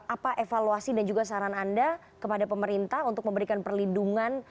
apa evaluasi dan juga saran anda kepada pemerintah untuk memberikan perlindungan